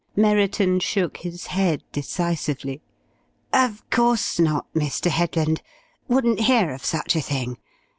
Merriton shook his head decisively. "Of course not, Mr. Headland. Wouldn't hear of such a thing.